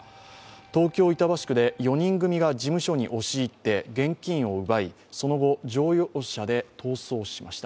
東京・板橋区で４人組が事務所に押し入って現金を奪い、その後乗用車で逃走しました。